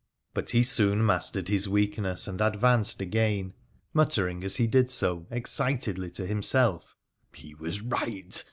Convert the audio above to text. But he soon mastered his weakness and advanced again, muttering, as he did so, excitedly to himself, ' He was right